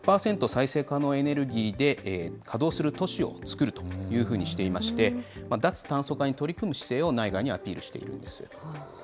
再生可能エネルギーで稼働する都市をつくるというふうにしていまして、脱炭素化に取り組む姿勢を内外にアピールしているんです。